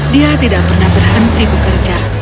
dia tidak pernah berhenti bekerja